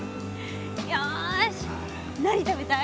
よし何食べたい？